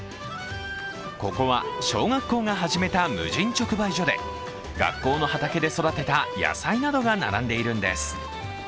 ここは小学校が始めた無人直売所で学校の畑で育てた野菜などが並んでいるんです。